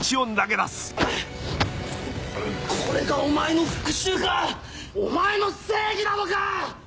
これがお前の復讐か⁉お前の正義なのか‼